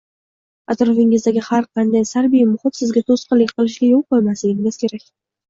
Atrofingizdagi har qanday salbiy muhit sizga to’sqinlik qilishiga yo’l qo’ymasligingiz kerak